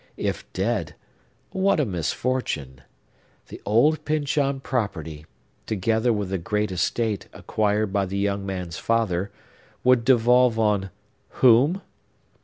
If dead, what a misfortune! The old Pyncheon property, together with the great estate acquired by the young man's father, would devolve on whom?